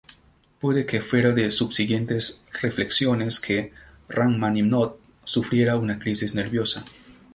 Puede que fuera de subsiguientes reflexiones que Rajmáninov sufriera una crisis nerviosa.